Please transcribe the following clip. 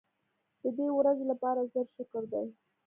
د دې ورځې لپاره زر شکر دی.